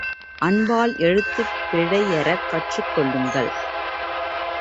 அன்பால் எழுத்துப் பிழையறக் கற்றுக் கொள்ளுங்கள்.